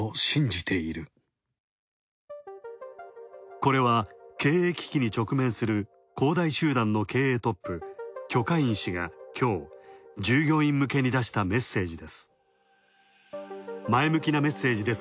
これは、経営危機に直面する恒大集団の経営トップ、許家印氏が、今日、従業員向けに出したメッセージです。